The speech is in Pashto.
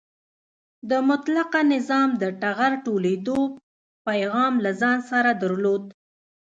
د مطلقه نظام د ټغر ټولېدو پیغام له ځان سره درلود.